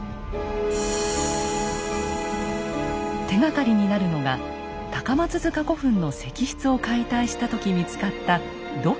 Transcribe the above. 手がかりになるのが高松塚古墳の石室を解体した時見つかった土器です。